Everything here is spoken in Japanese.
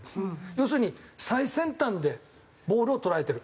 要するに最先端でボールを捉えてる。